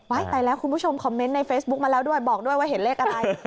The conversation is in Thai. ไปแล้วคุณผู้ชมคอมเมนต์ในเฟซบุ๊กมาแล้วด้วยบอกด้วยว่าเห็นเลขอะไร